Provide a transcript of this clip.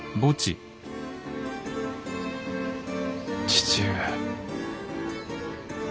父上。